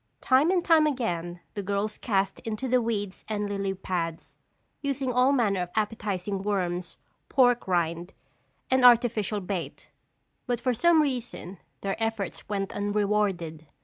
Time and time again the girls cast into the weeds and lily pads, using all manner of appetizing worms, pork rind and artificial bait but for some reason, their efforts went unrewarded.